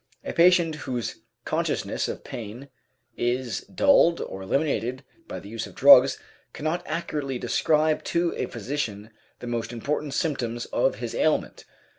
A patient whose consciousness of pain is dulled or eliminated by the use of drugs cannot accurately describe to a physician the most important symptoms of his ailment.